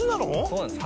「そうなんです